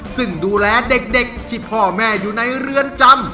ซึ่งดูแลเด็กที่พ่อแม่อยู่ในเรือนจำ